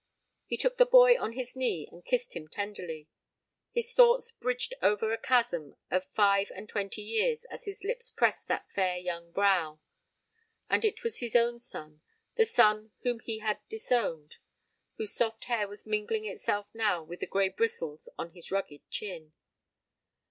He took the boy on his knee, and kissed him tenderly. His thoughts bridged over a chasm of five and twenty years as his lips pressed that fair young brow; and it was his own son the son whom he had disowned whose soft hair was mingling itself now with the grey bristles on his rugged chin.